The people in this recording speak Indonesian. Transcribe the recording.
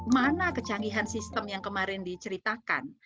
mana kecanggihan sistem yang kemarin diceritakan